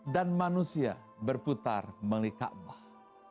dan manusia berputar mengelilingi ka'bah